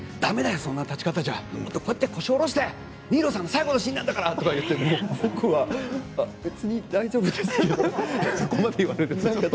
そんな立ち方じゃもっと腰を下ろして、新納さんの最後のシーンなんだからって僕は別に大丈夫ですけどって。